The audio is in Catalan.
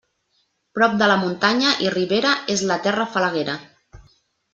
Prop de la muntanya i ribera és la terra falaguera.